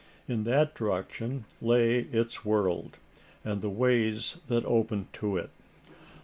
In that direction lay its world, and the ways that opened to it.